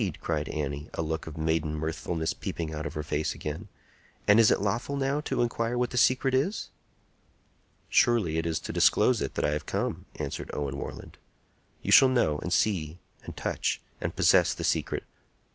cried Annie, a look of maiden mirthfulness peeping out of her face again. "And is it lawful, now, to inquire what the secret is?" "Surely; it is to disclose it that I have come," answered Owen Warland. "You shall know, and see, and touch, and possess the secret!